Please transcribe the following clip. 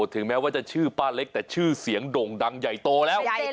ถึงแม้ว่าจะชื่อป้าเล็กแต่ชื่อเสียงด่งดังใหญ่โตแล้ว